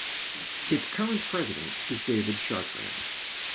Its current president is David Chartrand.